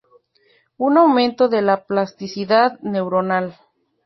Un aumento de la plasticidad neuronal.